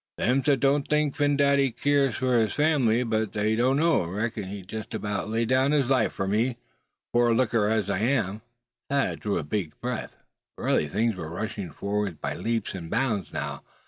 "Thems as don't think Phin Dady keers fur his fambly, but they don't know. Reckons he'd jest 'bout lay down his life fur me, pore looker as I am!" Thad drew a big breath. Really things were rushing forward by leaps and bounds now.